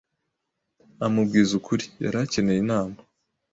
amubwiza ukuri yari akeneye inama